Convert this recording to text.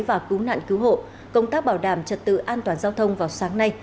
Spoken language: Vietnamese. và cứu nạn cứu hộ công tác bảo đảm trật tự an toàn giao thông vào sáng nay